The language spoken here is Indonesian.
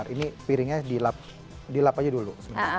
ini piringnya dilap aja dulu